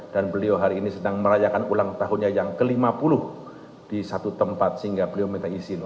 dan beliau hari ini sedang merayakan ulang tahunnya yang ke lima puluh di satu tempat sehingga beliau minta izin